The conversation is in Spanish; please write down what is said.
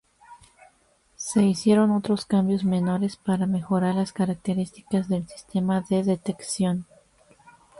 Se hicieron otros cambios menores para mejorar las características del sistema de detección.